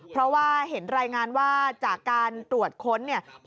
เพราะว่าเห็นรายงานว่าจากการตรวจค้นเนี่ย